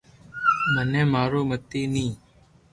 مني مارو متي ني